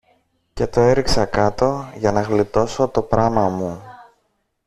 και το έριξα κάτω για να γλιτώσω το πράμα μου.